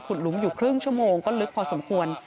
หลุมอยู่ครึ่งชั่วโมงก็ลึกพอสมควร